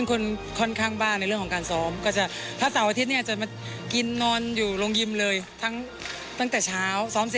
จุดสูงสุดของชีวิตจุดสูงสุดของชีวิต